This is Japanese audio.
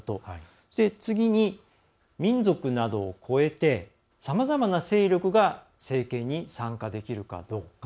そして次に、民族などを超えてさまざまな勢力が政権に参加できるかどうか。